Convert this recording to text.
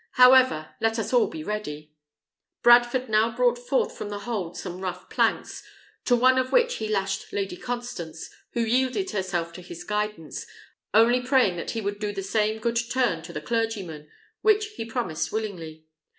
However, let us all be ready." Bradford now brought forth from the hold some rough planks, to one of which he lashed Lady Constance, who yielded herself to his guidance, only praying that he would do the same good turn to the clergyman, which he promised willingly.